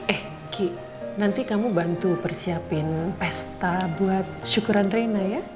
eh ki nanti kamu bantu persiapin pesta buat syukuran reina ya